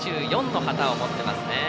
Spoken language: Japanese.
２０２４の旗を持っていますね。